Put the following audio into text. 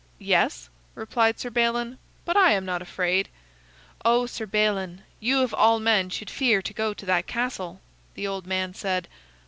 "Yes," replied Sir Balin, "but I am not afraid." "Oh, Sir Balin, you of all men should fear to go to that castle," the old man said.